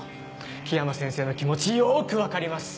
樹山先生の気持ちよく分かります。